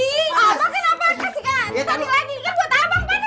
kalau aku balik lagi udah tak ada fisi